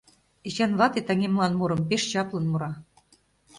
Эчан вате «Таҥемлан» мурым пеш чаплын мура.